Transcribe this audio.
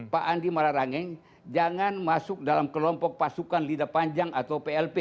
pak andi malarangeng jangan masuk dalam kelompok pasukan lidah panjang atau plp